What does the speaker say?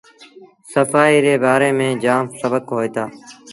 سڦآئيٚ ري بآري ميݩ جآم سبڪ هوئيٚتآ۔